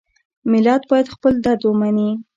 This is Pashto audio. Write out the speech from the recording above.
ملت باید خپل درد ومني.